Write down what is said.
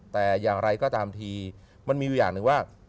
แต่อย่างไรก็ตามทีมันมีอยู่อย่างหนึ่งว่า